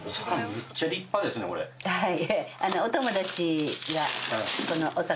はい。